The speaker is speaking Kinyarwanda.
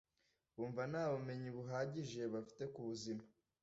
Bumva nta bumenyi buhagije bafite ku buzima